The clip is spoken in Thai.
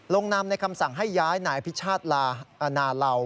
ลงนำในคำสั่งให้ย้ายหน่ายพิชาติลานาลาว